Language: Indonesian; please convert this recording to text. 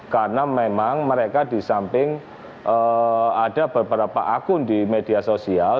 karena memang mereka di samping ada beberapa akun di media sosial